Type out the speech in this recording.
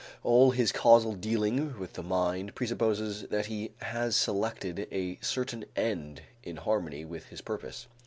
All his causal dealing with the mind presupposes that he has selected a certain end in harmony with his purpose.